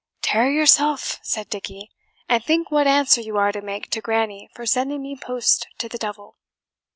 "Tarry yourself," said Dickie, "and think what answer you are to make to granny for sending me post to the devil."